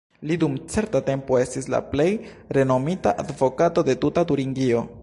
Li dum certa tempo estis la plej renomita advokato de tuta Turingio.